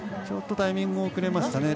ちょっとタイミングも遅れました。